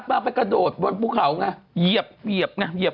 ไปกระโดดบนภูเขาไงเหยียบไงเหยียบ